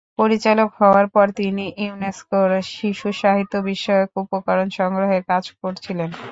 পরিচালক হওয়ার পর তিনি ইউনেস্কোর শিশুসাহিত্য বিষয়ক উপকরণ সংগ্রহের কাজ করছিলেন।